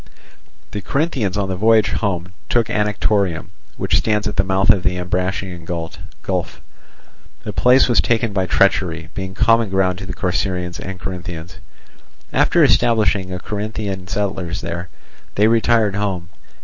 The Corinthians on the voyage home took Anactorium, which stands at the mouth of the Ambracian gulf. The place was taken by treachery, being common ground to the Corcyraeans and Corinthians. After establishing Corinthian settlers there, they retired home.